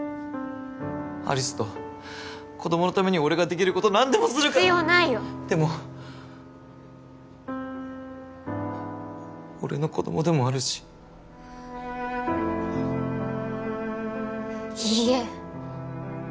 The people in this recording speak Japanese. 有栖と子どものために俺ができること何でもするから必要ないよでも俺の子どもでもあるしいいえ